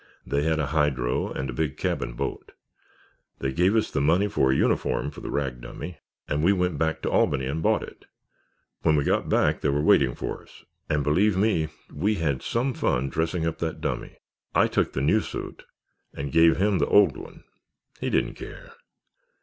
They had a hydro and a big cabin boat. They gave us the money for a uniform for the rag dummy and we went back to Albany and bought it. When we got back they were waiting for us, and believe me, we had some fun dressing up that dummy. I took the new suit and gave him the old one. He didn't care."